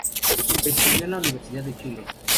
Estudió en la Universidad de Chile.